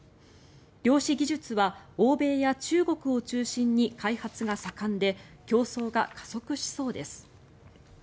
量子技術は欧米や中国を中心に開発が盛んで競争が加速しそうです。